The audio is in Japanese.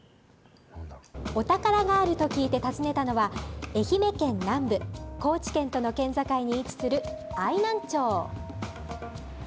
お宝があると聞いて訪ねたのは、愛媛県南部、高知県との県境に位置する愛南町。